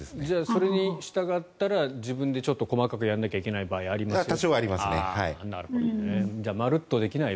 それに従ったら自分でちょっと細かくやらなきゃいけない場合がありますよと。